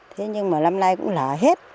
thế nhưng mà năm nay cũng là hết